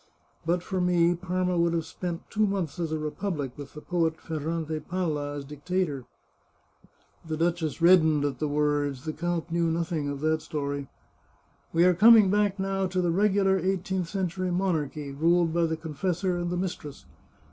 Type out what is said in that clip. But for me, Parma would have spent two months as a republic, with the poet Ferrante Palla as dictator !" The duchess reddened at the words. The count knew nothing of that story. " We are coming back, now, to the regular eighteenth century monarchy, ruled by the confessor and the mistress.